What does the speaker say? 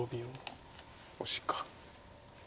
オシか。